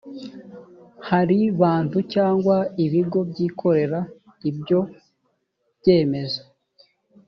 hari bantu cyangwa ibigo byikorera ibyo byemezo